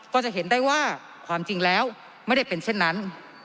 ก็จะเห็นได้ว่าความจริงแล้วไม่ได้เป็นเช่นนั้น